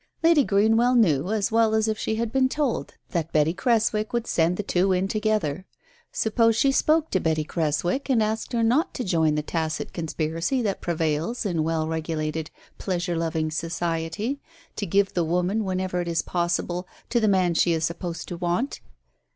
Lady Greenwell knew, as well as if she had been told, that Betty Creswick would send the two in together. Suppose she spoke to Betty Creswick, and asked her not to join the tacit conspiracy that prevails in well regulated, pleasure loving society, to give the woman, whenever it is possible, to the man she is supposed to want